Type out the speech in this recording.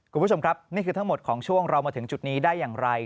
คุณผู้ชมครับนี่คือทั้งหมดของช่วงเรามาถึงจุดนี้ได้อย่างไร